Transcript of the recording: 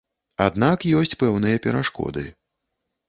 Аднак ёсць пэўныя перашкоды.